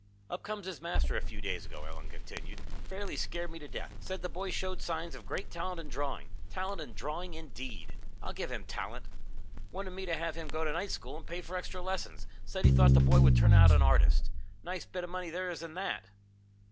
"Up comes his master a few days ago," Ellen continued. "Fairly scared me to death. Said the boy showed signs of great talent in drawing. Talent in drawing, indeed! I'll give him talent! Wanted me to have him go to night school and pay for extra lessons. Said he thought the boy would turn out an artist. Nice bit of money there is in that!"